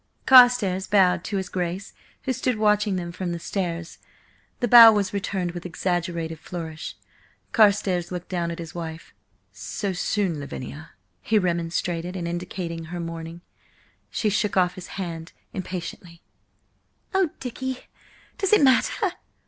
Carstares bowed to his Grace, who stood watching them from the stairs. The bow was returned with exaggerated flourish. Carstares looked down at his wife. "So soon, Lavinia?" he remonstrated, and indicated her mourning. She shook his hand off impatiently. "Oh, Dicky, does it matter?